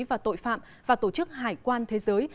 và tội phạm và tổ chức hải quan thế giới